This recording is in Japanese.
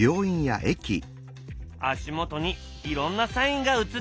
足元にいろんなサインが映っているね。